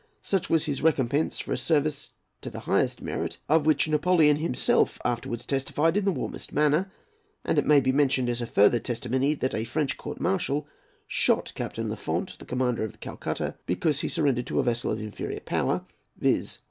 Such was his recompense for a service to the high merit of which Napoleon himself afterwards testified in the warmest manner; and it may be mentioned as a further testimony that a French Court Martial shot Captain Lafont, the commander of the Calcutta, because he surrendered to a vessel of inferior power, viz.